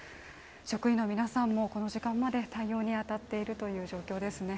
職員の皆さんもこの時間まで対応に当たっているという状況ですね。